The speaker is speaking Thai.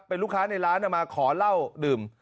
เป็นลูกค้าในร้านเนี่ยมาขอเล่าดื่ม